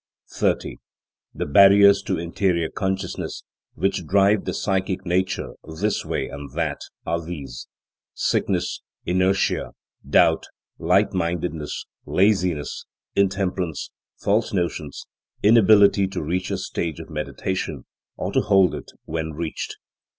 30. The barriers to interior consciousness, which drive the psychic nature this way and that, are these: sickness, inertia, doubt, lightmindedness, laziness, intemperance, false notions, inability to reach a stage of meditation, or to hold it when reached.